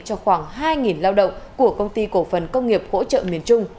cho khoảng hai lao động của công ty cổ phần công nghiệp hỗ trợ miền trung